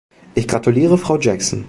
Ich gratuliere Frau Jackson.